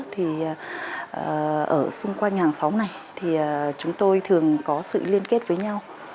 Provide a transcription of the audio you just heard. thì ở xung quanh nhà hàng xóm này thì chúng tôi thường có sự liên kết với nhau